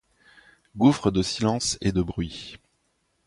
Gouffre de silence et de bruit